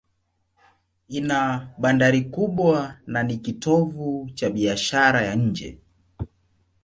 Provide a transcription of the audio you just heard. Ina bandari kubwa na ni kitovu cha biashara ya nje.